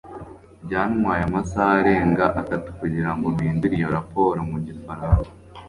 byantwaye amasaha arenga atatu kugirango mpindure iyo raporo mu gifaransa